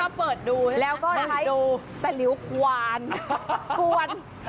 ชอบเปิดดูแล้วก็ให้สะลิวควานกวน